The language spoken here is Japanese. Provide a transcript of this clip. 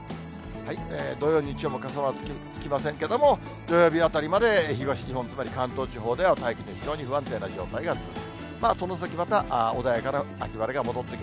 土曜、日曜も傘マークつきませんけれども、土曜日あたりまで東日本、つまり関東地方では大気の非常に不安定な状態が続く。